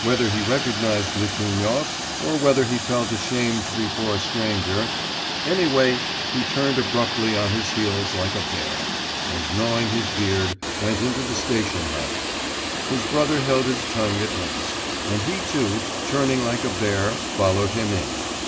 Whether he recognised Litvinov, or whether he felt ashamed before a stranger, anyway he turned abruptly on his heels like a bear, and gnawing his beard, went into the station hut; his brother held his tongue at once, and he too, turning like a bear, followed him in.